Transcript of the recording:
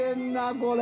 これ。